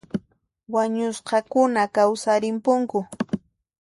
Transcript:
Wañusqakuna kawsarimpunku